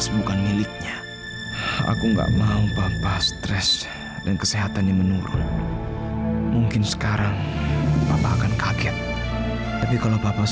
hati hati kamu kalau ketahuan gimana sama pularas